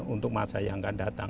untuk masa yang akan datang